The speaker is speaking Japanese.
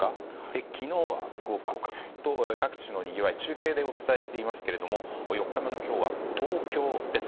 昨日は福岡と、各地のにぎわいを中継でお伝えしていますけれども４日目の今日は東京です。